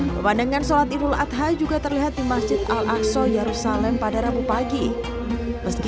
pemandangan sholat idul adha juga terlihat di masjid al aqsa yerusalem pada rabu pagi meski